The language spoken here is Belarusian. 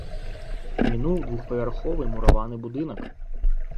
Мінуў двухпавярховы мураваны будынак.